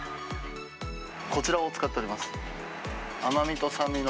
こちらを使っております。